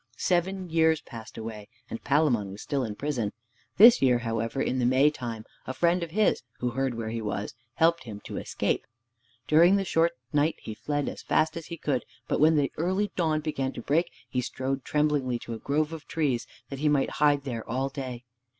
Seven years passed away, and Palamon was still in prison. This year, however, in the May time, a friend of his, who heard where he was, helped him to escape. During the short night he fled as fast as he could, but when the early dawn began to break he strode tremblingly to a grove of trees, that he might hide there all day.